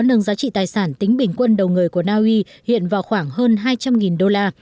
quỹ tài sản tính bình quân đầu người của naui hiện vào khoảng hơn hai trăm linh usd